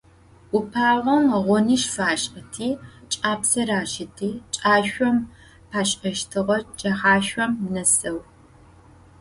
Upaom ğoniş faş'ıti, ç'apse raşıti, ç'aşsom paş'eştığe cexaşsom neseu.